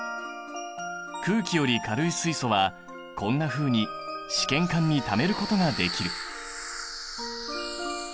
空気より軽い水素はこんなふうに試験管にためることができる。